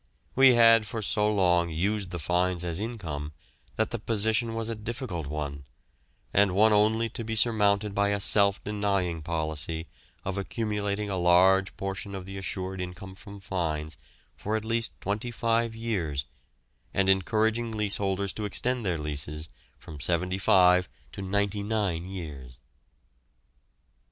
We had for so long used the fines as income that the position was a difficult one, and one only to be surmounted by a self denying policy of accumulating a large portion of the assured income from fines for at least twenty five years and encouraging leaseholders to extend their leases from seventy five to ninety nine years.